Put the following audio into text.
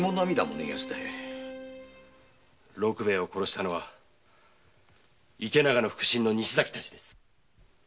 六兵衛を殺したのは池永の腹心の西崎たちです。